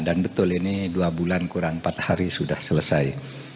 dan betul ini dua bulan kurang empat hari sudah selesai